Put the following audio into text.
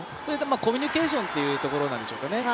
コミュニケーションというところなんでしょうかね。